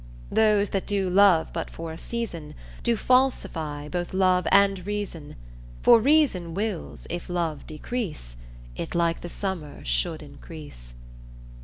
Those that do love but for a season Do falsify both love, and reason, For reason wills if love decrease It like the Summer should increase.